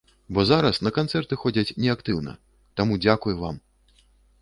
Бо зараз на канцэрты ходзяць не актыўна, таму, дзякуй вам!